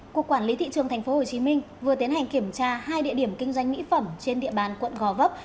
cục quản lý thị trường tp hcm vừa tiến hành kiểm tra hai địa điểm kinh doanh mỹ phẩm trên địa bàn quận gò vấp